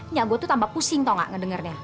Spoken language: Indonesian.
nya gue tuh tambah pusing tau gak ngedengernya